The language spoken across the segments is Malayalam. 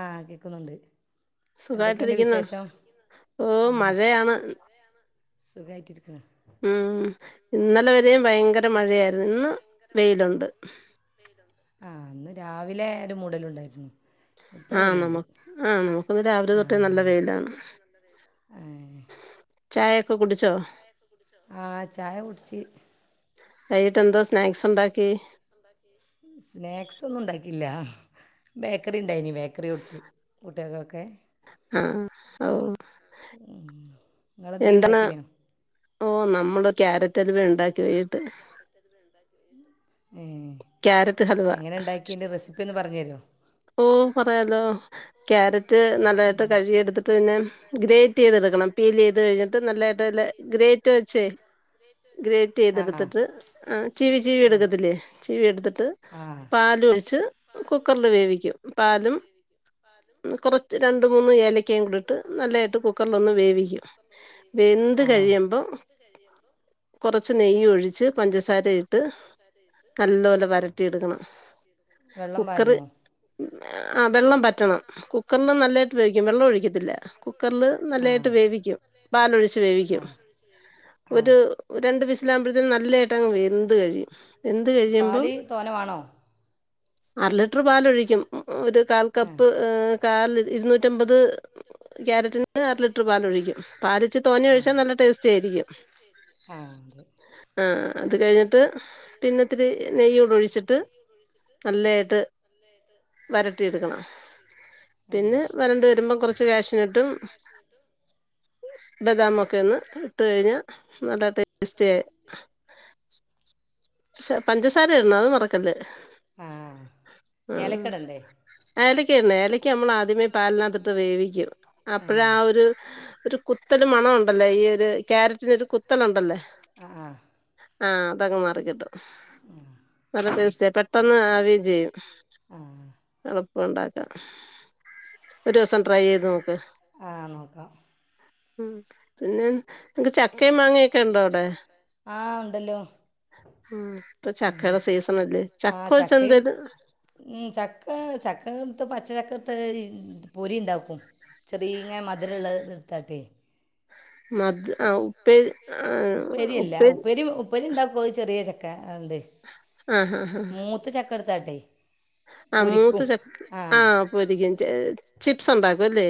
ആഹ് കേക്കുന്നുണ്ട് എന്തൊക്കെയുണ്ട് വിശേഷം ആഹ് സുഖായിട്ട് ഇരിക്കണേ ഉം ഇന്നലെ വരെയും ഭയങ്കര മഴയായിരുന്നു ഇന്ന് വെയിലുണ്ട് വെയ്ലോ ആഹ് ഇന്ന് രാവിലെ ആ ഒരു മൂടൽ ഉണ്ടായിരുന്നു ആഹ് നമ്മ ആ നമുക്ക് രാവിലെ തൊട്ടേ നല്ല വയ്യിലാണ് ഏഹ് ചായ ഒക്കെ കുടിച്ചോ ചായൊക്കെ കുടിച്ചോ ആഹ് ചായ കുടിച്ചു വൈകിട്ടെന്താ സ്നാക്സ് ഉണ്ടാക്കി സ് ഉണ്ടാക്കി സ്നാക്സ് ഒന്നും ഉണ്ടാക്കില്ല ബേക്കറി ഉണ്ടായിനി ബേക്കറി കൊടുത്തു കുട്ടിയകൊക്കെ ഉം നിങ്ങളെന്തേം ഉണ്ടാക്കീന്യോ ഓ നമ്മടെ ക്യാരറ്റ് അലുവ ഉണ്ടാക്കി ക്യാരറ്റ് അലുവ ഉണ്ടാക്കി ഏഹ് എങ്ങനെ ഉണ്ടാക്കി അയ്ന്റെ റെസിപ്പി ഒന്ന് പറഞ്ഞു തരോ ഓ പറയാലോ ക്യാരറ്റ് ക്യാരറ്റ് നല്ലതായിട്ട് കഴുകിെടുത്തിട്ട് പിന്നെ ഗ്രേറ്റ് ചെയ്തെടുക്കണം പീൽ ചെയ്ത് കഴിഞ്ഞിട്ട് നല്ലതട്ട് ഗ്രേറ്റ് ക്യാരറ്റ് ഗ്രേറ്റ് ചെയ്തെടുത്തിട്ട് ആ ചീവി ചീവി എടുക്കത്തില്ലേ ചിവി എടുത്തിട്ട് പാല് ഒഴിച്ച് കുക്കറില് വേവിക്കും പാലും പാലും കുറ രണ്ടു മൂന്ന് ഏലക്കയും കൂടി ഇട്ട് നല്ലതായിട്ട് കുക്കറിലൊന്ന് വേവിക്കും വെന്ത് കഴിയുമ്പോൾ കഴിയുമ്പോ കുറച്ച് നെയ്യ് ഒഴിച്ച് പഞ്ചസാരയിട്ട് ഇട്ടു നല്ല പോലെ വരട്ടി എടുക്കണം കുക്കർ വെള്ളം പറ്റി വേവിക്കണം കുക്കറിൽ നല്ലതായിട്ട് വേവിക്കും വെള്ളം ഒഴിക്കത്തില്ല കുക്കറിൽ നല്ലതായിട്ട് വേവിക്കും പാലൊഴിച്ചി വേവിക്കും എന്നിട്ട് ഒരു രണ്ട് വിസിൽ ആമ്പത്തേന് നല്ല വെന്ത് കഴിയും പാൽ തോനെ വേണോ അര ലിറ്റർ പാലൊഴിക്കും ഒരു കാൽ കപ്പ് കാൽ ഇരുന്നൂറ്റമ്പത് ക്യാരറ്റിന് അര ലിറ്റർ പാല് ഒഴിക്കും പാൽ ഇച്ചിരി തോനെ ഒഴിച്ചാൽ നല്ല ടേസ്റ്റ് ആയിരിക്കും ആഹ് അതെ ആഹ് അത് കഴിഞ്ഞിട്ട് പിന്നെ ഇത്തിരി നെയ്യോ ഒഴിച്ചിട്ട് നല്ലതായിട്ട് നല്ലായിട്ട് പരത്തി എടുക്കണം പിന്നെ വരണ്ട് വരുമ്പോ കുറച്ച് ക്യാഷ് നട്ട് ബദാം ഒക്കെ ഒന്ന് ഇട്ടു കഴിഞ്ഞാ നല്ല ടേസ്റ്റിയായി പഞ്ചസാര ഇടണം അത് മറക്കരുത് ആഹ് ഏലക്ക ഇടണ്ടേ ഏലക്കന്നെ ഏലക്കനമ്മൾ ആദ്യമേ പാലിനകത്തിട്ട് വേവിക്കും അപ്പഴാഒരു കുത്തല് മണ ഉണ്ടല്ലേ ഈ ഒരു ക്യാരറ്റിനൊരു കുത്തലുണ്ടല്ലേ ആ അതങ്ങ് മാറിക്കിട്ടും നല്ല ടേസ്റ്റിയാ പെ പെട്ടെന്ന് ആവേം ചെയ്യും എളുപ്പണ്ടാക്കാം. ഒരൂസം ട്രൈ യ്യയ് ത് നോക്ക് ആഹ്‌ നോക്കാം. ഉം പിന്നെ ങ്ങക്ക് ചക്കയേം മാങ്ങൊക്കെ ഉണ്ടോ അവടെ? ആഹ് ഉണ്ടല്ലോ ആ ചക്കയും ഉം ചക്കാ ചക്കട്ത്ത് പച്ച ചക്കട്ത്ത് ഈ പൊരി ഉണ്ടാക്കും. ചെറിയ മധുരള്ളത് ഇട്ത്താട്ടെയ് ഉ ഉപ്പേരിയല്ലാ ഉപ്പേരി ഉം. ഉപ്പേരി ണ്ടാക്കും ചെറിയ ചക്ക ഇണ്ട് മൂത്ത ചക്കഇട്ത്താട്ടെയ്. ആ മൂത്ത ചക ആ പൊരിക്കും ചി ചിപ്സ് ഉണ്ടാക്കും അല്ലേ.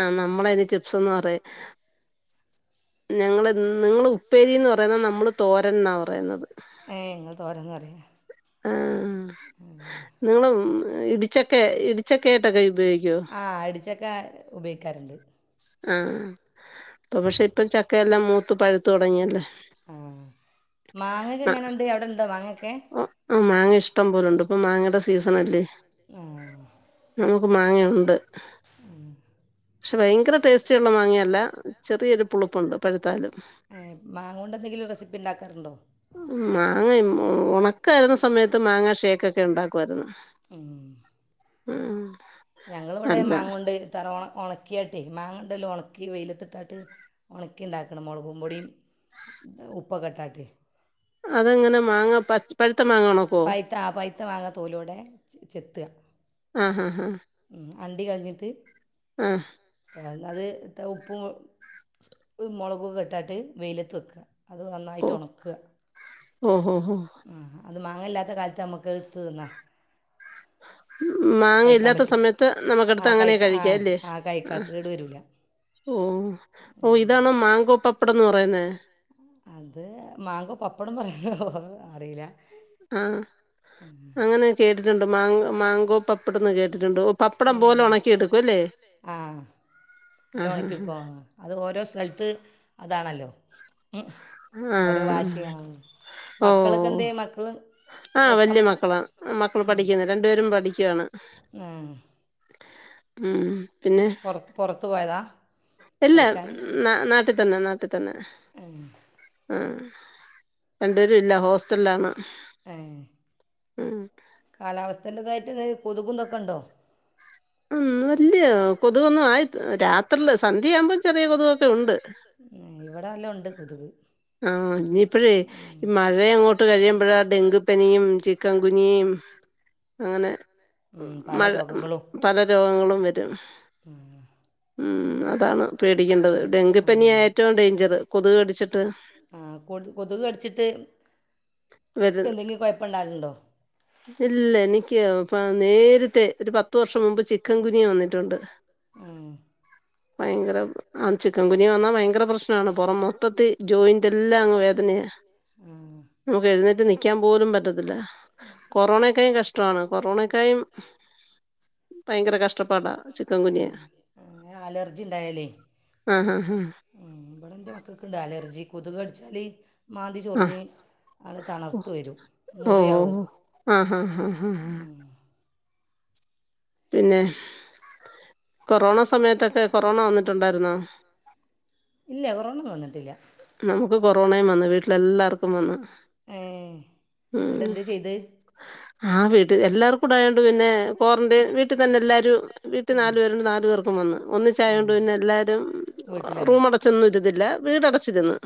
ആഹ്‌ നമ്മളയ്ന് ചിപ്സന്ന് പറയും. ഞങ്ങള് നിങ്ങള് ഉപ്പേരീന്ന് പറയുന്ന നമ്മള് തോരൻ ന്നാ പറയുന്നത്. ഏഹ് ഇങ്ങള് തോരന്ന് പറയു ആഹ് നിങ്ങളും ഇടിച്ചക്കെ ആഹ്‌ ഇടിച്ചക്ക ഉപയോഗിക്കാറ്ണ്ട്. ആഹ് പക്ഷെ ഇപ്പ ചക്കയെല്ലാം മൂത്ത് പഴുത്ത് തൊടങ്ങി. മാങ്ങൊക്കെ എങ്ങനെണ്ട് അവടെണ്ടോ മാങ്ങൊക്കെ? ആ മാങ്ങ ഇഷ്ടം പോലണ്ട് പ്പൊ മാങ്ങടെ സീസണല്ലേ. നമുക്ക് മാങ്ങയുണ്ട്. ഉം പക്ഷെ ഭയങ്കര ടേസ്റ്റുള്ള മാങ്ങിയല്ല ചെറിയൊരു പുളുപ്പുണ്ട് പഴുത്താലും. ഏഹ് മാങ്ങോണ്ട് എന്തെങ്കിലും റെസിപ്പി ണ്ടാക്കാറുണ്ടോ? മാങ്ങയും ഒണ ഉണക്കായിരുന്ന സമയത്ത് മാങ്ങാ ഷേക്ക് ഒക്കെ ഉണ്ടാക്കു ഉം. ഉം. ഞങ്ങള് വടെ മാങ്ങോണ്ട് താറവാ ഉണക്കിയാട്ട് മാങ്ങണ്ടല്ലോ ഒണക്കി വെയിലത്ത്ട്ടാട്ട് ഒണക്കി ണ്ടാക്കണം മൊളകും പൊടിം ഉപ്പൊക്കേ ഇട്ടാട്ട്. അതെങ്ങനെ മാങ്ങാ പോയത മാങ്ങ പൈയ്‌ത്ത ആഹ്‌ പൈയ്ത്ത മാങ്ങ തോലൊടെ ചെത്ത്ആ. ആ ഹാ ഹാ ഉം അണ്ടി കൾഞ്ഞിട്ട് ആഹ് അത് ഉപ്പും കുരുമുളകൊക്കെ ഇട്ടാട്ട് വെയിലത്ത് വെക്കാ. അത് നന്നായിട്ട് ഒണക്ക്. ആഹ്‌ അത് മാങ്ങല്ലാത്ത കാൽത്ത് നമ്മക്ക് അത് ഇട്ത്ത് ത്ത്ന്നാ. മാങ്ങയില്ലാത്ത സമയത്ത് നമുക്കടുത്ത് അങ്ങനെ കഴിക്കാം അല്ലേ ആ. ഓ ഓ ഇതാണോ മാങ്കോ പപ്പടംന്ന് പറയുന്നേ? അത് മാങ്കോ പപ്പടം പറയു അറീലാ. ആ അങ്ങനെ കേട്ടിട്ടുണ്ട് മാ മാങ്കോ പ പപ്പടന്ന് കേട്ടിട്ടുണ്ട് ഏഹ് പപ്പടം പോലെ ഒണക്കി എടുക്കുംല്ലേ ആഹ്. ല്ലോം ഒണക്കിെടുക്കോ അത് ഓരോ സലത്ത് അതാണല്ലോ. ഓരോ ഭാഷയാണ്. മക്കളക്കെ എന്ത്യ മക്കള് കളിക്കാൻ പോ ഉം. ഏഹ് ഉം. പൊറ പൊറത്ത് പോയതാ? ഇല്ല ന നാട്ടിൽ തന്നെ നാട്ടിൽ തന്നെ ആഹ് രണ്ടുപേരും ഇല്ല ഹോസ്റ്റലാണ് ഏഹ് ഉം കാലാവസ്ഥേൻ്റെതായിട്ട് കൊതുകുംതൊക്കെണ്ടോ ഉം വല്ല്യേ കൊതുകൊന്നും ആയി രാത്രില് സന്ധ്യയാവുമ്പം ചെറിയ കൊതുകൊക്കെ ഉണ്ട് ഏഹ് ഇവിടെല്ലം ഉണ്ട് കൊതുക് ആഹ് ഇനിയിപ്പഴേ മഴ അങ്ങോട്ട് കഴിയുമ്പഴാ ഡെങ്കു പനിയുംചി ചിക്കൻഗുനിയീം അതേ പല രോഗങ്ങളും രോഗങ്ങളും വരുംഉം ഉം അതാണ് പേടിക്കേണ്ടത് ഡെങ്കിപ്പനി ഏറ്റവും ഡൈഞ്ചറ് കൊതുക് കടിച്ച് കൊതു കടിച്ചിട്ട് ആഹ് കൊതു കൊതുക് കടിച്ചിട്ട് എന്തെങ്കി കൊഴപ്പണ്ടാകലുണ്ടോ ഇല്ല എനിക്ക് പ്പ നേരത്തെ പത്ത് വർഷം മുമ്പ് ചിക്കംകുനിയ വന്നിട്ടുണ്ട് ഉം ഭയങ്കര ആഹ് ചിക്കംഗുനിയ വന്നാ ഭയങ്കര പ്രശ്നാണ് പോറം മൊത്തത്തി ജോയിന്റ് എല്ലാം അങ്ങ് വേദനയാ നമുക്ക് എഴുന്നേറ്റ് നിക്കാപോലും പറ്റത്തില്ല കൊറോണക്കായും കഷ്ട്ടാണ് കൊറോണക്കായും ഭയങ്കര കഷ്ട്ടപ്പാടാഉംഉം അലർജിണ്ടായാലേ ആഹ് ഹാ ഹാ ഏഹ് ഇബടെ ഇൻ്റെ മക്കക്ക്ണ്ട് അലർജി കൊതുക് കടിച്ചാല് മാന്തി ചൊറിഞ്ഞ് അള് തണർത്ത് വരും മുറിയാവും ആഹ് ആഹ് ഉം പിന്നെ കൊറോണ സമയത്തൊക്കെ കൊറോണ വന്നിട്ടുണ്ടാരുന്നോ ഇല്ല കൊറോണ വന്നിട്ടില്ല നമക്ക് കൊറോണേ വന്ന് വീട്ടിലെല്ലാർക്കും വന്നു ഏഹ് ന്ന്ട്ട്എന്തേ ചെയ്ത് ഹാ വീട്ടില് എല്ലാർക്കുണ്ടായൊണ്ട് പിന്നെ ക്വാറന്റൈൻ വീട്ടിതന്നെ എല്ലാരുംവീ ട്ട് നാല് പേരുണ്ട് നാലു പേർക്കും വന്നു ഒന്നിച്ചായൊണ്ട് പിന്നെല്ലാവരും റൂം അടച്ചൊന്നും ഇരിന്നില്ല വീടട ച്ചിരുന്നു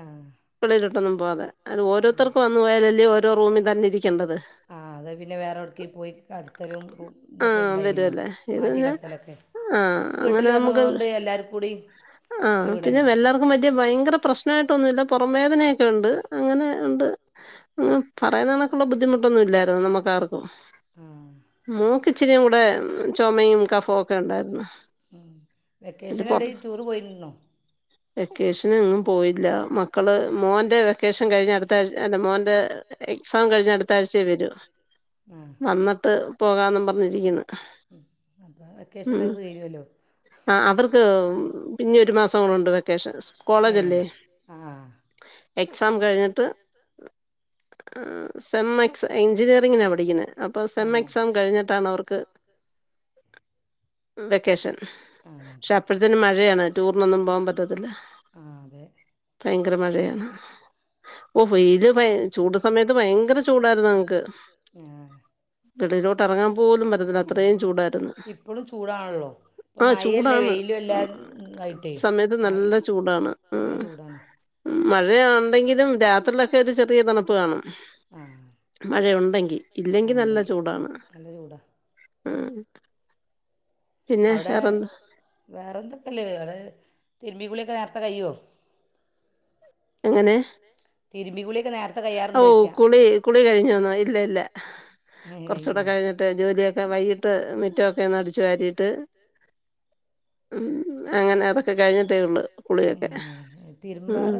ആഹ് വെളിയിലോട്ടൊന്നും പോവാതെ അരു ഓരോത്തർക്കും വന്നു പോയാലല്ലേ ഓരോ റൂമിൽ തന്ന ഇരിക്കണ്ടത് ആഹ് അത് പിന്നെ വേറെ എവിട്ക്കീം പോയി കടത്തലും റൂ തൊക്കെ ഉണ്ടായിന്നല്ലോ മാറ്റി കടത്തലൊക്കെ വീട്ടിൽ വന്നതൊണ്ട് എല്ലാര്കൂടി ആഹ് പിന്നെ വെല്ല ത് ഭയങ്കര പ്രശ്നായിട്ടൊന്നുല്ല പൊറം വേദനയൊക്കെ ഉണ്ട് അങ്ങനെ ഉണ്ട് ഉം പറയുന്ന കണക്കുള്ള ബുദ്ധിമുട്ടൊന്നും ഇല്ലായിരുന്നു നമ്മുക്കാർക്കും മോക്ക് ഇച്ചിരിയും കൂടെ ചൊമയും കഫോ ഒക്കെ ഉണ്ടാരുന്നു വെക്കേഷൻ എവിടെ ടൂറ് പോയിന്നോ വെക്കേഷനെങ്ങും പോയില്ല മക്കള് മോൻ്റെ വെക്കേഷൻ കഴിഞ്ഞ് അടുത്ത ആഴ് എൻ്റെ മോൻ്റെ എ സാം കഴിഞ്ഞ് അടുത്താഴ്ചേ വരൂ ആഹ് അന്ന്ട്ട് പോകാന്നുംപറഞ്ഞിരിക്കുന്നു ഉം ആഹ് അവർക്ക് പിന്നെ ഒരു മാസം ഉണ്ട് വെ ക്കേഷൻ കോളേജല്ലേ എക്സാം കഴിഞ്ഞിട്ട് ആഹ് സെം എക്സ് എഞ്ചിനീറിങ്ങിനാ പഠിക്കുന്നേ അപ്പൊ സെം എക്സാം കഴിഞ്ഞിട്ടാണ് അവർക്ക് ഹ് ഉം വെക്കേഷൻ പക്ഷെ അപ്പഴത്തിനും മഴയാണ് ടൂറിനൊന്നും പോവാൻ പ റ്റത്തില്ല ഭയങ്കര മഴയാണ് ഓഹ് വെയില് ഭയ് ചൂട് സമയത്ത് ഭയങ്കര ചൂടായിരുന്നു ഞങ്ങക്ക് ആഹ് വെളിയിലോട്ട് എറങ്ങാൻ പോലും പറ്റത്തില്ല അത്രയും ചൂടാരുന്ന് ഇപ്പളും ചൂടാണല്ലോ ഇപ്പൊ മഴെ അല്ല വെയിലും അല്ല ഇതായിട്ടേ മഴ്‌ നല്ല ചൂടാണ് നല്ല ചൂടാണ് ഉം മഴേ മഴ ഒണ്ടെങ്കിലും രാത്രിയിലൊക്കെ ഒരു ചെറിയ തണുപ്പ് കാണും ആഹ് മഴ ഒണ്ടെങ്കി ഇല്ലെങ്കി നല്ല ചൂടാണ് ഉം അവിടെ വേറെ എന്തൊക്കെയള്ളത് അവിടെ തിരുമ്പിക്കുളിയൊക്കെ നേരത്തെ കഴിയോ എങ്ങനെ എങ്ങനെ തിരുമ്പി കുളിയൊക്കെ നേര ഓഹ് കുളി കുളി കഴിഞ്ഞോന്നോ ഇല്ല ഇല്ല കുറച്ചൂടെ കഴിഞ്ഞിട്ട് ജോലിയൊക്കെ വൈകി ട്ട് മിറ്റോക്കെന്ന് അടിച്ചു വാരിയിട്ട് ഉം അങ്ങനെ അതൊക്കെ കഴിഞ്ഞിട്ടേ ഉള്ളു കുളിയൊക്കെ ഉം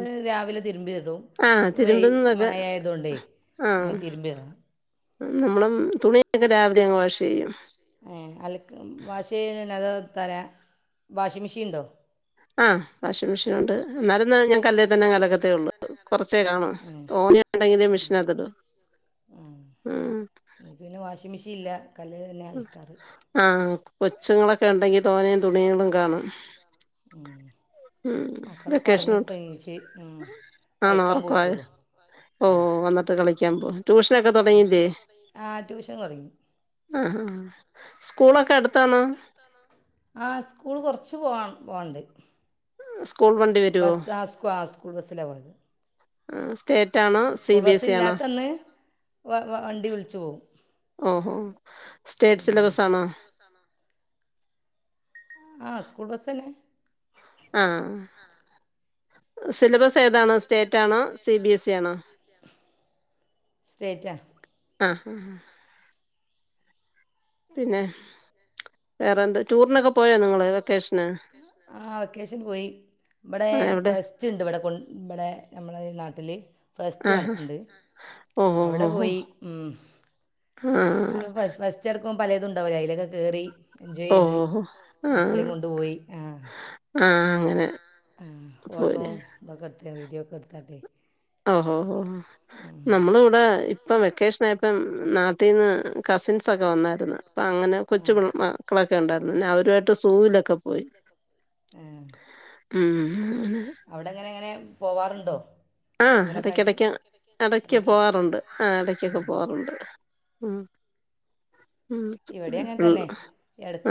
ആഹ് തിരുമ്പുന്നതൊ മഴയായതുകൊണ്ടേ വേഗം തിരുമ്പിയിടണം ഉം നമ്മളം തുണി പിന്നെ രാവിലെ അങ്ങ് വാഷ് ചെയ്യും ഉം അലക്ക്‌ വാഷ് ചെയ്യനത് [unintelligible] വാഷിംഗ് മെഷീൻ എണ്ടോ ആഹ് വാഷിംഗ് മെഷീൻ ഉണ്ട് എന്നാലും ഞാൻ കല്ലേൽ തന്നെ അലക്കത്തേ ഉള്ളൂ കുറച്ചേ കാണു തോനെ ഒണ്ടെങ്കിലേ മെഷീനാത്തിടൂ ആഹ് എനിക്ക് പിന്നെ വാഷിംഗ് മെഷീൻ ഇല്ല ആഹ് കൊച്ചുങ്ങളൊക്കെ ഒണ്ടെങ്കി തോനേം തുണികളും കാണും ഉം മക്കളെക്കൊ ഒറങ്ങി ഇപ്പൊ എനീച്ച് ഉം കളിക്കാൻ പോയിട്ടേ ഉള്ളു ഓഹ് വന്നിട്ട് കളിക്കാൻ പോവാൻ ട്യൂഷനൊക്കെ തൊ ആഹ് ട്യൂഷനൊക്കെ തൊടങ്ങിയില്ലെ ആഹ് ട്യൂഷൻ തൊടങ്ങി ആഹാ സ്കൂളൊക്കെ അടുത്താണോ ആഹ് സ്കൂള് കൊറച്ച് പോവാ പോവാണ്ട് [inaudible] ബസ് ആസ്കോ ആഹ് സ്കൂൾ ബസ്സിലാ പോയത് സ്കൂൾ ബസ്സില്ലാത്തന്ന് വ വണ്ടി വിളിച്ചു പോവും ഉം സ്റ്റേറ്റ് സിലബസ് ആണോ ആഹ് സ്കൂൾ ബസ്സന്നെ ആഹ് സിലബസ് സിലബസ് ഏതാണ് സ്റ്റേറ്റ് ആണോ സി ബി എസ് ഇ ആണോ സ്റ്റേറ്റാ ആഹ് ഹാ ഹാ പിന്നെ വേറെന്ത്‌ വേറെന്ത് ടൂറിനൊക്കെ പോയോ നിങ്ങള് വെക്കേഷന് ആഹ് വെക്കേഷന് പോയി ഇവിടേ ഫെസ് സ്റ്റിണ്ടിവിടെ കുൻ ഇവിടെ നമ്മടെ ഈ നാട്ടില് ഫെസ്റ്റ് നട‌ക്കിണ്ട് അവിടെ പോയി ഉം ആഹ് ഫെസ്റ്റ് നടക്കുമ്പ പലേതും എണ്ടാവൂല്ലേ അയ്ലൊക്കെ കേറി എൻജോയ് ചെയ്ത് മക്കളെയും കൊണ്ടുപോയി ആഹ് ആഹ് ഉം ഫോട്ടൊം ഇതൊക്കെ ഇട്ത്ത വീഡിയൊ ഒക്ക ഇട്ത്താട്ടെ ഓഹോ ഹൊ നമ്മള് ഇവടെ ഇപ്പ വെക്കേഷ്നായപ്പൊ നാട്ടീന്ന് കസിൻസൊക്ക വന്നാര്ന്ന് പ്പം അങ്ങനെ കൊച്ചു പി മക്കളൊക്കെ ഉണ്ടാര്ന്ന് പിന്നെ അവരുവായിട്ട് സൂവിലൊക്കെ പോയി ഏഹ് ഉം അങ്ങനെ അവിടെങ്ങനെ ഇങ്ങനെ പോവാറുണ്ടൊ? ആഹ് എടക്കെടക്ക്‌ എടക്ക്‌ പോവാറുണ്ട് ആഹ് എടക്കൊക്കെ പോവാറുണ്ട് ഉം ഉം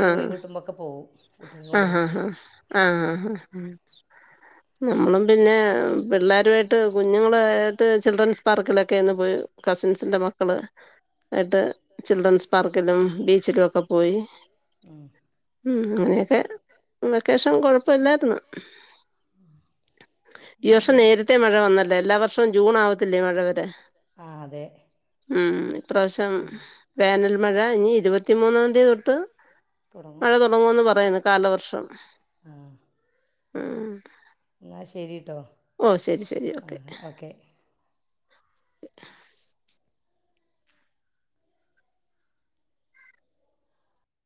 ആഹ് ആഹ് ആഹ് ഹാ ആഹ് ആഹ് നമ്മളും പിന്നേ പിള്ളാരുവായി ട്ട് കുഞ്ഞുങ്ങളായിട്ട് ചിൽഡ്രൻസ് പാർക്കിലൊക്കെന്ന് പോയി കസിൻസിന്റെ മക്കള് ആയ്ട്ട് ചിൽഡ്രൻസ് പാർക്കിലും ബീചിലൊക്ക പോയി ഉം ഉം. ഇങ്ങനെയൊക്കെ വെക്കേഷൻ കൊഴപ്പല്ലാര്ന്ന് ഈ വർഷം നേരെ- നേര്ത്തെ മഴ വന്നല്ലൊ എല്ലാ വർഷവും ജൂൺ ആവത്തില്ലെ മഴ വരാൻ ആഹ്! അതെ! ഇപ്രാശ്യം വേനൽ മഴ ഇനി ഇരുപത്തിമൂന്നാം തീയതി തൊട്ട് മഴ തൊടങ്ങൊന്ന് ങ്ങോന്ന് പറയ്ന്ന് കാലവർഷം ആഹ് അ ഉം. ഇന്നാ ശരിട്ടോ. ആഹ് ഓക്കെ!